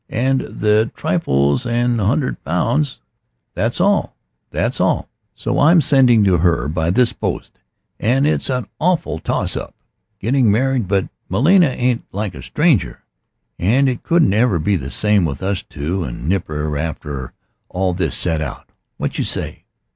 And the trifle's an hundred pounds. That's all. That's all! So I'm sending to her by this post, and it's an awful toss up getting married, but 'Melia ain't like a stranger, and it couldn't ever be the same with us two and nipper after all this set out. What you say?"